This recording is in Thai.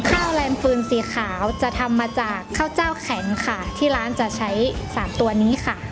แลมฟืนสีขาวจะทำมาจากข้าวเจ้าแขนค่ะที่ร้านจะใช้สามตัวนี้ค่ะ